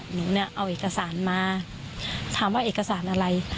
หนูเนี่ยเอาเอกสารมาถามว่าเอกสารอะไร